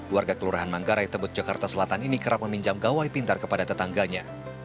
warga kelurahan manggarai tebet jakarta selatan ini kerap meminjam gawai pintar kepada tetangganya